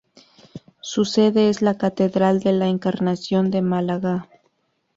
Su sede es la Catedral de la Encarnación de Málaga.